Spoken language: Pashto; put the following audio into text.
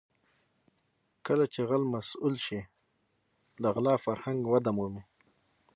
کله چې غل مسوول شي د غلا فرهنګ وده مومي.